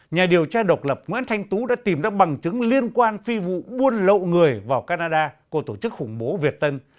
nhà điều tra độc lập nguyễn thanh tú đã tìm ra bằng chứng liên quan phi vụ buôn lậu người vào canada của tổ chức khủng bố việt tân